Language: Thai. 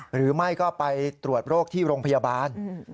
หรือไม่ก็ไปตรวจโรคที่โรงพยาบาล